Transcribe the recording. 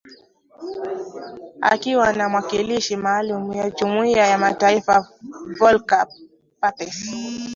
Akiwa na mwakilishi maalum wa Jumuiya ya mataifa, Volker Perthes.